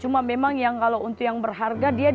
mereka hanya punya mobil